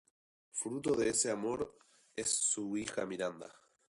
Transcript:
Fruto de ese gran amor es su hija Miranda.